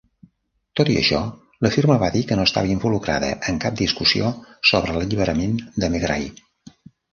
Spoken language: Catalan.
Tot i això, la firma va dir que no estava involucrada en cap discussió sobre l'alliberament de Megrahi.